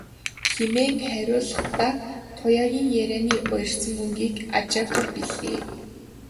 хэмээн хариулахдаа Туяагийн ярианы уярсан өнгийг ч ажаагүй билээ.